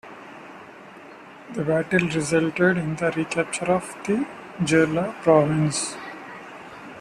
The battle resulted in the recapture of the Jeolla province.